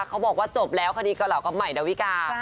เขาบอกว่าจบแล้วคดีเกาเหลากับใหม่ดาวิกา